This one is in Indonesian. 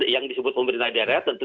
yang disebut pemerintah daerah tentu